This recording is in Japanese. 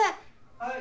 ・はい。